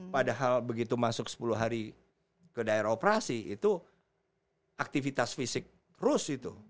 padahal begitu masuk sepuluh hari ke daerah operasi itu aktivitas fisik rush itu